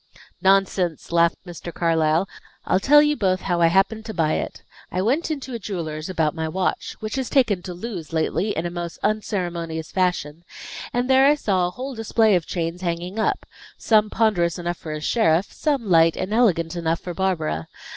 "Nonsense!" laughed Mr. Carlyle. "I'll tell you both how I happened to buy it. I went into a jeweller's about my watch, which has taken to lose lately in a most unceremonious fashion, and there I saw a whole display of chains hanging up; some ponderous enough for a sheriff, some light and elegant enough for Barbara.